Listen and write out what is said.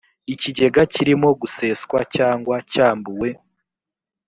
ikigega kirimo guseswa cyangwa cyambuwe